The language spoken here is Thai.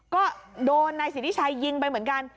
ก็โดนนายสิทธิชัยยิงไปเหมือนกัน